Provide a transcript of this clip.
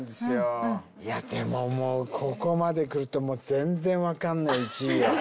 いやでももうここまでくると全然わかんない１位は。